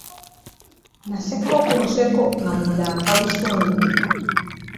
Nasekako ku nseko nga munda nfa busungu.